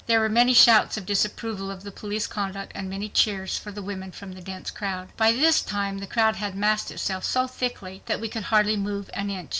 There were many shouts of disapproval of the police conduct and many cheers for the women from the dense crowd. By this time the crowd had massed itself so thickly that we could hardly move an inch.